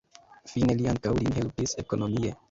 Fine li ankaŭ lin helpis ekonomie.